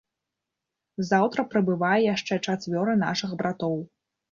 Заўтра прыбывае яшчэ чацвёра нашых братоў.